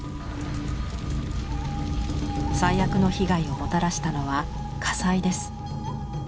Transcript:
最悪の被害をもたらしたのは火災です。